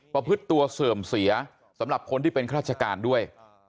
ประพฤติตัวเสื่อมเสียสำหรับคนที่เป็นราชการด้วย